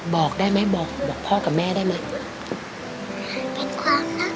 บอกได้ไหมบอกพ่อกับแม่ได้ไหมเป็นความลับ